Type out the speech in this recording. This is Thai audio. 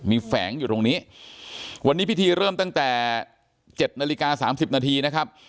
มีแฝงอยู่ตรงนี้วันนี้พิธีเริ่มตั้งแต่๗นาฬิกา๓๐นาทีนะครับ